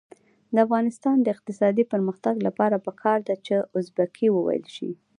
د افغانستان د اقتصادي پرمختګ لپاره پکار ده چې ازبکي وویل شي.